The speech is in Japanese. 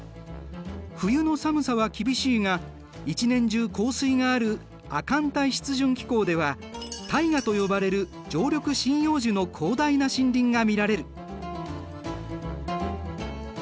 冬の寒さは厳しいが一年中降水がある亜寒帯湿潤気候ではタイガと呼ばれる常緑針葉樹の広大な森林が見られる。